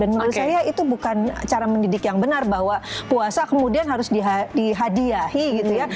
dan menurut saya itu bukan cara mendidik yang benar bahwa puasa kemudian harus dihadiahi gitu ya